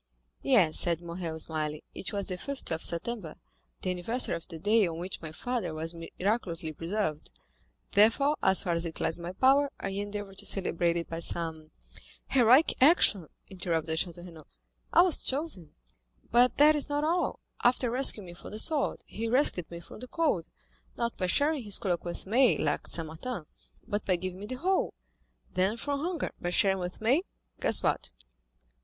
"Yes," said Morrel, smiling, "it was the 5th of September, the anniversary of the day on which my father was miraculously preserved; therefore, as far as it lies in my power, I endeavor to celebrate it by some——" 20237m "Heroic action," interrupted Château Renaud. "I was chosen. But that is not all—after rescuing me from the sword, he rescued me from the cold, not by sharing his cloak with me, like St. Martin, but by giving me the whole; then from hunger by sharing with me—guess what?"